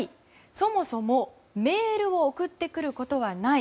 そもそもメールを送ってくることはない。